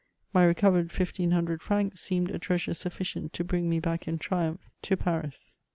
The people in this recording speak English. My recovered 1500 francs seemed a treasure sufficient to bring me back in triumph to Paris.